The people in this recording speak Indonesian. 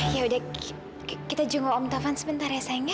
ya udah kita jenguk om taufan sebentar ya sayang ya